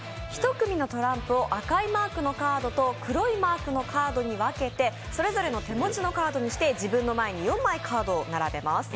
１組のトランプを赤いマークのカードと黒いマークのカードにわけて、それぞれ手持ちカードにして自分の前に４枚カードを並べます。